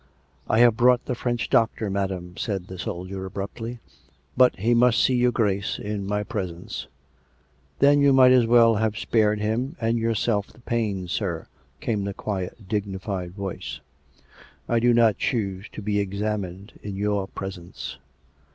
" I have brought the French doctor, madam," said the soldier abruptly. " But he must see your Grace in my presence." " Then you might as well have spared him, and yourself, the pains, sir," came the quiet, dignified voice. " I do not choose to be examined in your presence."